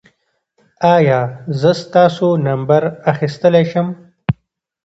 ایا زه ستاسو نمبر اخیستلی شم؟